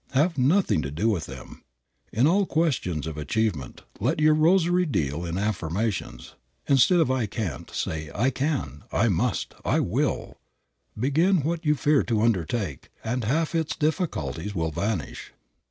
Have nothing to do with them. In all questions of achievement, let your rosary deal in affirmations. Instead of "I can't," say "I can," "I must," "I will." Begin what you fear to undertake, and half its difficulties will vanish.